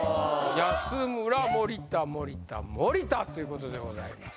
安村森田森田森田ということでございます